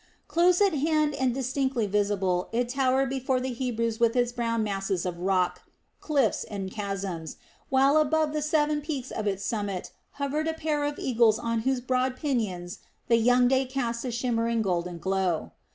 Close at hand and distinctly visible it towered before the Hebrews with its brown masses of rock, cliffs, and chasms, while above the seven peaks of its summit hovered a pair of eagles on whose broad pinions the young day cast a shimmering golden glow.